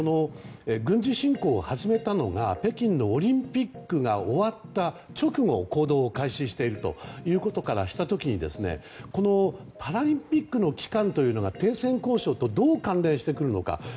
軍事侵攻を始めたのが北京オリンピックが終わった直後に行動を開始していることからした時にこのパラリンピックの期間というのが停戦交渉とどう関連してくるのか。